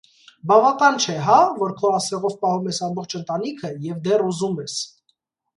Բավական չէ, հա՞, որ քո ասեղով պահում ես ամբողջ ընտանիքը և դեռ ուզում ես…